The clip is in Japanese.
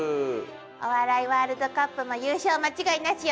お笑いワールドカップも優勝間違いなしよ！